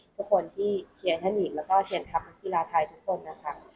ทุกคนที่เชียร์ท่านอีกแล้วก็เชียร์ทัพนักกีฬาไทยทุกคนนะคะ